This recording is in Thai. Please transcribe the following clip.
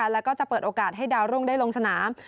แล้วก็จะเปิดโอกาสให้ดาวรุ่งได้ลงสนาม